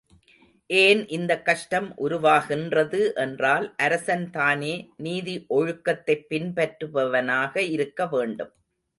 ஏன் இந்தக் கஷ்டம் உருவாகின்றது என்றால், அரசன் தானே, நீதி ஒழுக்கத்தைப் பின்பற்றுபனாக இருக்க வேண்டும்.